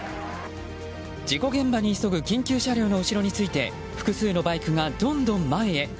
事故現場に急ぐ緊急車両の後ろについて複数のバイクが、どんどん前へ。